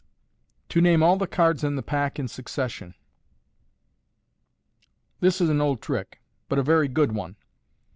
To Name all thb Cards in the Pack in Succession. ^ This is an old trick, but a very good one.